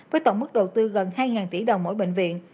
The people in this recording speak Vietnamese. với tổng mức đầu tư gần hai tỷ đồng mỗi bệnh viện